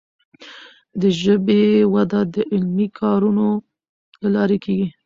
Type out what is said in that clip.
د ژبي وده د علمي کارونو له لارې کیږي.